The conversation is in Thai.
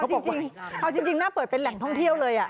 เอาจริงเอาจริงน่าเปิดเป็นแหล่งท่องเที่ยวเลย